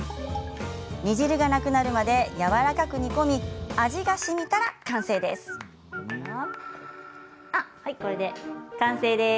煮汁がなくなるまでやわらかく煮込み味がしみたら完成です。